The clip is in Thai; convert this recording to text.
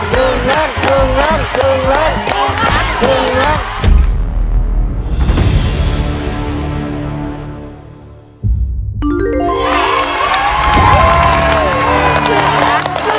กลับบ้านได้เลย